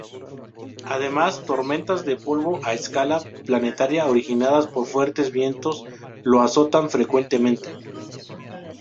Además, tormentas de polvo a escala planetaria originadas por fuertes vientos lo azotan frecuentemente.